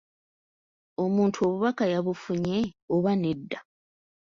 Omuntu obubaka yabufunye oba nedda?